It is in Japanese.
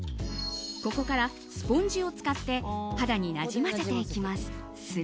ここからスポンジを使って肌になじませていきます。